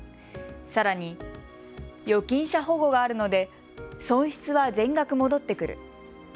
さらに預金者保護があるので損失は全額戻ってくる。